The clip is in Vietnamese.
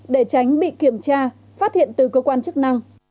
để tránh bị kiểm tra phát hiện từ cơ quan chức năng